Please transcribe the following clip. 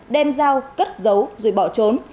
đem dao cất dấu rồi bỏ trốn